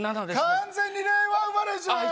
完全に令和生まれじゃんあっ